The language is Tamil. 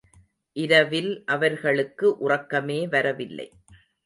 இரவில் அவர்களுக்கு உறக்கமே வரவில்லை.